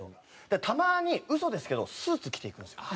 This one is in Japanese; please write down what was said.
だからたまに嘘ですけどスーツ着て行くんですよ。